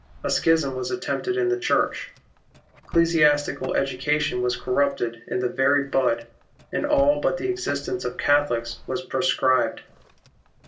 A schism was attempted in the Church. Ecclesiastical education was corrupted in the very bud, and all but the existence of Catholics was proscribed.